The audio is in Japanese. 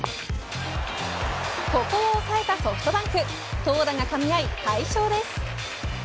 ここを抑えたソフトバンク。投打がかみ合い快勝です。